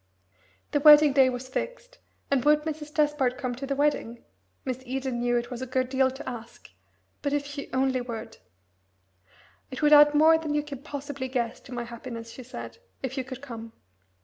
The wedding day was fixed, and would Mrs. Despard come to the wedding? Miss Eden knew it was a good deal to ask; but if she only would! "It would add more than you can possibly guess to my happiness," she said, "if you could come.